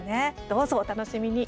どうぞお楽しみに。